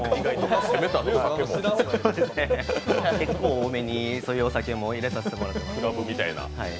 多めにそういうお酒も入れさせていただいています。